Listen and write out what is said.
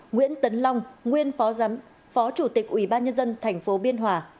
nguyễn tấn long nguyên phó chủ tịch ủy ban nhân dân tp biên hòa